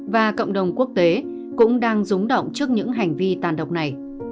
và cộng đồng quốc tế cũng đang rúng động trước những hành vi tàn độc này